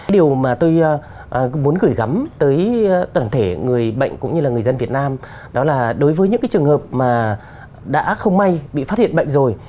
điều mà tôi muốn gửi gắm tới toàn thể người bệnh cũng như là người dân việt nam đó là đối với những trường hợp mà đã không may bị phát hiện bệnh rồi